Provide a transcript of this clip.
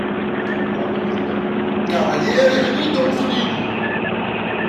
Cuando gritó "¡Cavaliere Benito Mussolini!